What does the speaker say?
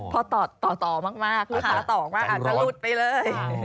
พอต่อมากลูกค้าตอบว่าอาจจะหลุดไปเลย